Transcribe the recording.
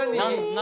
何？